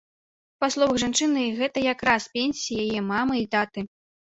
Па словах жанчыны, гэта якраз пенсіі яе мамы і таты.